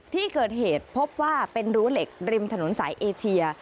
ที่เกิดเหตุพบว่าเป็นรั้วเหล็กริมถนนสายเอเชีย